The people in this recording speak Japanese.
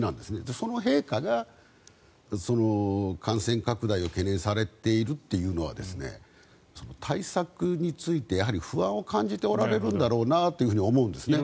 その陛下が感染拡大を懸念されているというのは対策についてやはり不安を感じておられるんだろうなと思うんですよね。